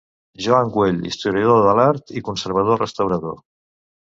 Joan Güell, historiador de l'Art i conservador-restaurador.